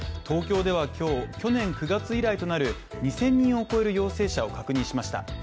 東京では今日、去年９月以来となる２０００人を超える陽性者を確認しました。